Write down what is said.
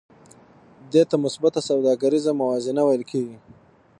دې ته مثبته سوداګریزه موازنه ویل کېږي